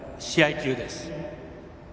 球です。